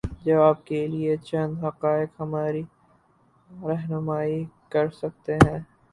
جواب کے لیے چند حقائق ہماری رہنمائی کر سکتے ہیں۔